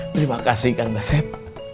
terima kasih kang dasip